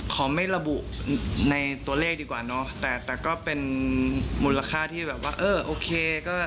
ขอไม่ระบุในตัวเลขดีกว่าเนอะแต่แต่ก็เป็นมูลค่าที่แบบว่าเออโอเคก็